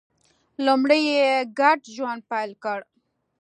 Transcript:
لومړی یې ګډ ژوند پیل کړ